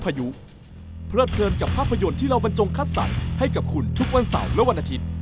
พายุเพลิดเพลินกับภาพยนตร์ที่เราบรรจงคัดสรรให้กับคุณทุกวันเสาร์และวันอาทิตย์